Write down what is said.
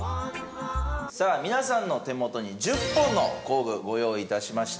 さあ皆さんの手元に１０本の工具ご用意致しました。